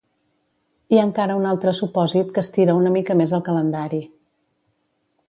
Hi ha encara un altre supòsit que estira una mica més el calendari.